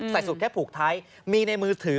ใส่สูตรแค่ผูกท้ายมีในมือถือ